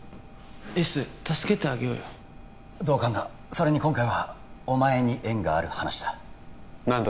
エース助けてあげようよ同感だそれに今回はお前に縁がある話だ何だ？